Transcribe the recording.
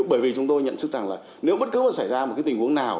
bởi vì chúng tôi nhận thức rằng là nếu bất cứ có xảy ra một cái tình huống nào